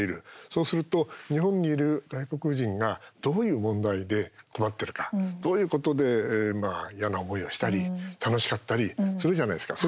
そうすると、日本にいる外国人がどういう問題で困っているかどういうことで嫌な思いをしたり楽しかったりするじゃないですか。